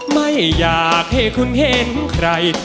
ไม่อยากให้คุณเห็นใคร